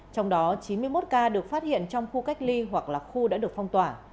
trong đó chín mươi một ca được phát hiện trong khu cách ly hoặc là khu đã được phong tỏa